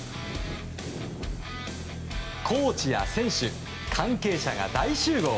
コーチや選手、関係者が大集合。